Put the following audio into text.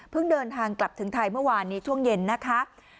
เดินทางกลับถึงไทยเมื่อวานนี้ช่วงเย็นนะคะ